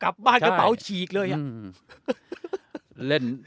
กลับบ้านกระเป๋าฉีกเลยอ่ะ